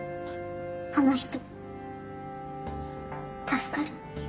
この人助かる？